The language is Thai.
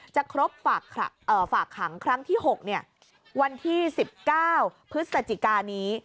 จะครบฝากฝากหังครั้งที่หกเนี่ยวันที่สิบเก้าพฤษจิกานี้